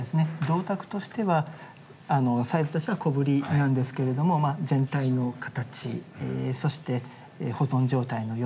銅鐸としてはサイズとしては小ぶりなんですけれども全体の形そして保存状態の良さ。